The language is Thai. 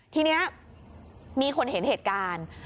ทีนี้มีคนเห็นเหตุการณ์